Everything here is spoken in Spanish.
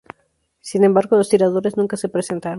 Sin embargo, los tiradores nunca se presentaron.